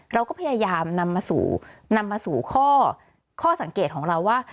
เราก็พยายามนำมาสู่นำมาสู่ข้อสังเกตของเราว่า